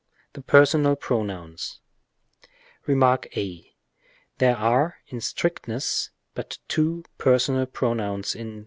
The personal pronouns, Rem, a. There are, in strictness, but two personal pronouns in N.